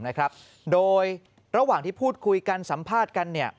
นะครับโดยระหว่างที่พูดคุยกันสัมภาษณ์กันเนี่ย